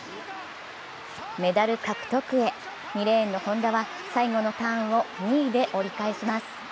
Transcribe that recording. メダル獲得へ、２レーンの本多は最後のターンを２位で折り返します。